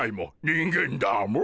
人間だモ。